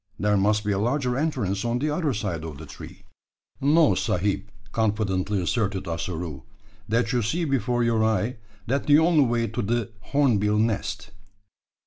There must be a larger entrance on the other side of the tree." "No, sahib," confidently asserted Ossaroo; "that you see before your eye that the only way to de horneebill nest."